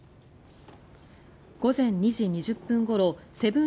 午前２時２０分ごろセブン